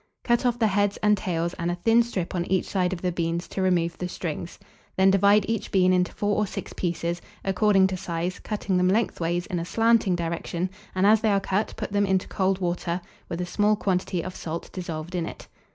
Cut off the heads and tails, and a thin strip on each side of the beans, to remove the strings. Then divide each bean into 4 or 6 pieces, according to size, cutting them lengthways in a slanting direction, and, as they are cut, put them into cold water, with a small quantity of salt dissolved in it.